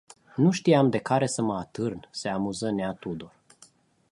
Nu știam de care să mă atârn se amuză nea Tudor.